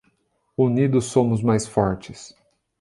Unidos somos mais fortes